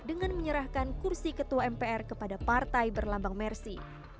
dengan menyerahkan kursi ketua mpr kepada partai berlambang mersi